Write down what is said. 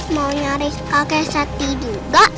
mau nyaris kakek sati juga